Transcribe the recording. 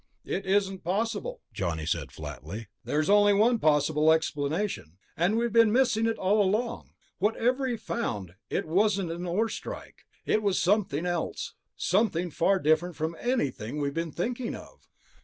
"It isn't possible," Johnny said flatly. "There's only one possible explanation, and we've been missing it all along. Whatever he found, it wasn't an ore strike. It was something else, something far different from anything we've been thinking of."